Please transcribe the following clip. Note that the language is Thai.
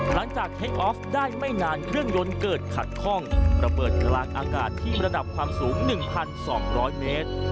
เทคออฟได้ไม่นานเครื่องยนต์เกิดขัดข้องระเบิดกลางอากาศที่ระดับความสูง๑๒๐๐เมตร